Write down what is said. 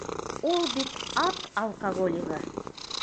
Ул бит ат алкоголигы!